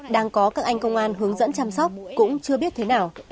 đang có các anh công an hướng dẫn chăm sóc cũng chưa biết thế nào